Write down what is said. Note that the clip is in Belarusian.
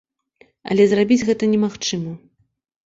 Але зрабіць гэта немагчыма.